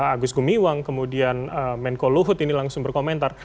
agus gumiwang kemudian menko luhut ini langsung berkomentar